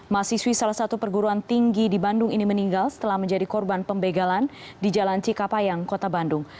mahasiswi salah satu perguruan tinggi di bandung ini meninggal setelah menjadi korban pembegalan di jalan cikapayang kota bandung